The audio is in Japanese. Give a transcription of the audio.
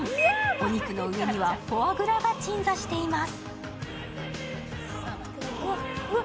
お肉の上にはフォアグラが鎮座しています。